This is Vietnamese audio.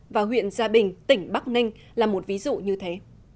và huyện gia bình tỉnh bắc ninh là một ví dụ như thế